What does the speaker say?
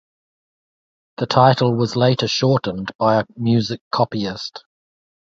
The title was later shortened by a music copyist.